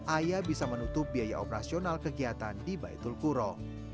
ayah bisa menutup biaya operasional kegiatan di baitul kuro